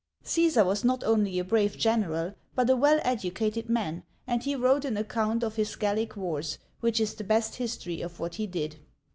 Caesar was not only a brave general but a well educated man, and he wrote an account of his Gallic wars, which is the best history of what he did.